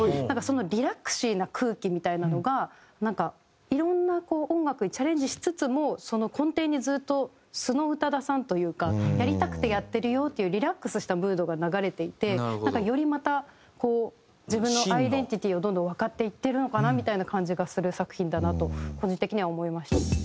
なんかそのリラクシーな空気みたいなのがなんかいろんな音楽にチャレンジしつつもその根底にずっと素の宇多田さんというかやりたくてやってるよっていうリラックスしたムードが流れていてなんかよりまたこう自分のアイデンティティーをどんどんわかっていってるのかなみたいな感じがする作品だなと個人的には思いました。